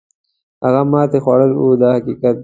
هغه ماتې خوړل وو دا حقیقت دی.